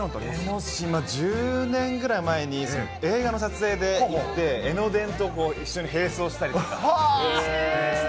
１０年ぐらい前に、映画の撮影で行って、江ノ電と一緒に並走したりして。